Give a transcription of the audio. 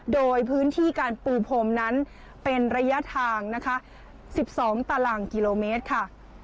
โดยพื้นที่การปูพรมนั้นเป็นระยะทางนะคะ๑๒ตารางกิโลเมตรค่ะ